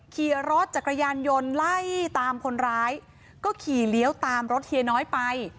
ขี่รถจักรยานยนต์ไล่ตามคนร้ายก็ขี่เลี้ยวตามรถเฮียน้อยไป